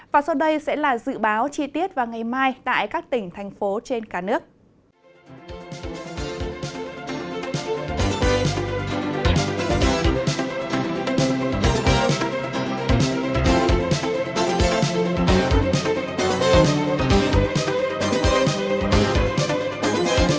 và sau đây sẽ là dự báo chi tiết vào ngày mai tại các tỉnh thành phố trên cả nước